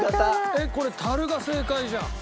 えっこれ樽が正解じゃん。